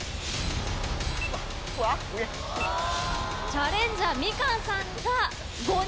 チャレンジャーみかんさんが５人。